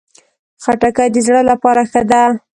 خټکی د زړه لپاره ښه ده.